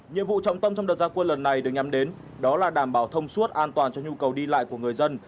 nhiệm vụ trọng tâm trong đợt gia quân lần này được nhắm đến đó là đảm bảo thông suốt an toàn cho nhu cầu đi lại của người dân